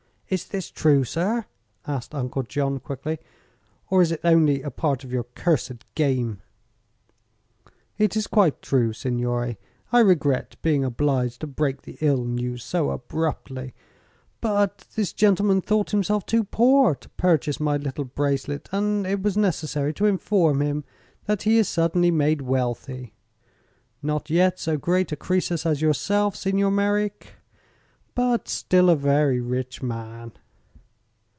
"Is this true, sir?" asked Uncle John, quickly; "or is it only a part of your cursed game?" "It is quite true, signore, I regret being obliged to break the ill news so abruptly; but this gentleman thought himself too poor to purchase my little bracelet, and it was necessary to inform him that he is suddenly made wealthy not yet so great a Croesus as yourself, Signor Merreek, but still a very rich man."